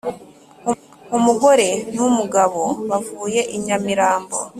umugore n'umugabo bavuye i nyamirambo